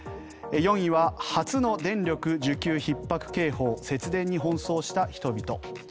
４位は初の電力需給ひっ迫警報節電に奔走した人々。